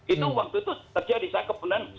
itu waktu itu terjadi saya kebenaran